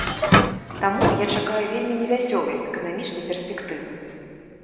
Таму я чакаю вельмі невясёлай эканамічнай перспектывы.